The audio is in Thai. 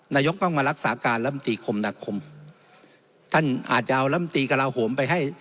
นายกต้องมารักษาการลำตีคมนาคมท่านอาจจะเอาลำตีกระลาโหมไปให้